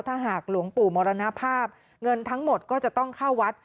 ถ้าหากหลวงปู่มรณภาพเงินทั้งหมดก็จะต้องเข้าวัด